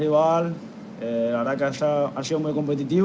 dan dari segi tim ini sangat kompetitif